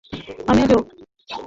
আমিও, জো।